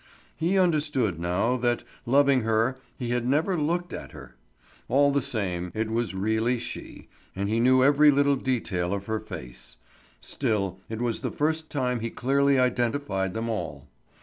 He understood now that, loving her, he had never looked at her. All the same it was very really she, and he knew every little detail of her face; still, it was the first time he clearly identified them all.